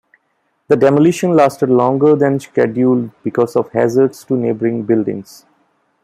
The demolition lasted longer than scheduled because of hazards to neighbouring buildings.